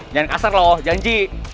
jangan kasar loh janji